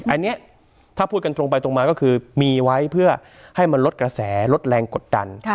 อันนี้ถ้าพูดกันตรงไปตรงมาก็คือมีไว้เพื่อให้มันลดกระแสลดแรงกดดัน